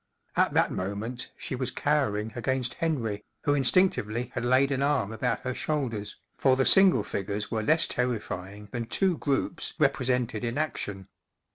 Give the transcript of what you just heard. At that moment she was cowering against Henry, who instinctively had laid an arm about her shoulders, for the single figures were less terrifying than two groups represented in action.